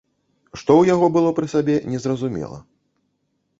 Што ў яго было пры сабе, незразумела.